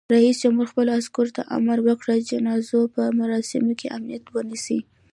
رئیس جمهور خپلو عسکرو ته امر وکړ؛ د جنازو په مراسمو کې امنیت ونیسئ!